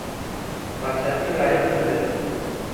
پاچهي لایق نه دی.